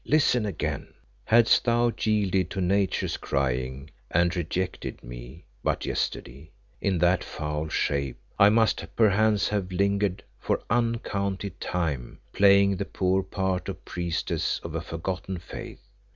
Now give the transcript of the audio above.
"Listen again: "Hadst thou yielded to Nature's crying and rejected me but yesterday, in that foul shape I must perchance have lingered for uncounted time, playing the poor part of priestess of a forgotten faith.